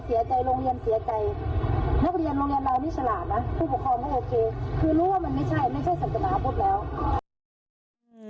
คือรู้ว่ามันไม่ใช่ไม่ใช่สังสนาพุทธแล้ว